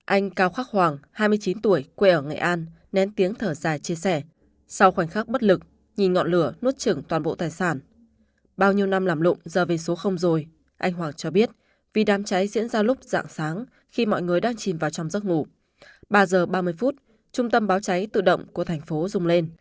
anh cao khắc hoàng hai mươi chín tuổi quê ở nghệ an nén tiếng thở dài chia sẻ sau khoảnh khắc bất lực nhìn ngọn lửa nuốt trừng toàn bộ tài sản